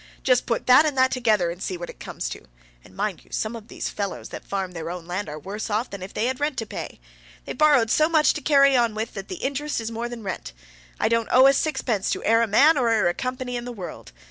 Just put that and that together, and see what it comes to. And, mind you, some of these fellows that farm their own land are worse off than if they'd rent to pay. They've borrowed so much to carry on with, that the interest is more than rent. I don't owe a sixpence to ere a man or ere a company in the world.